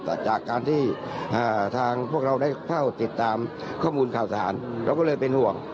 แต่จากการที่ทางพวกเราได้เข้าติดตามข้อมูลข่าวสารเราก็เลยเป็นห่วง